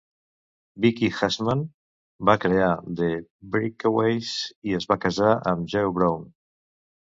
Vicky Haseman va crear The Breakaways i es va casar amb Joe Brown.